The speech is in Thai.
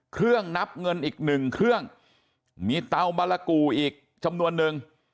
นับเงินอีกหนึ่งเครื่องมีเตาบารกูอีกจำนวนนึง